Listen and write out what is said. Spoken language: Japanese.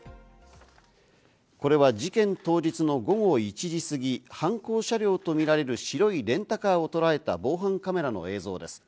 これは事件当日の午後１時すぎ、犯行車両とみられる白いレンタカーをとらえた防犯カメラの映像です。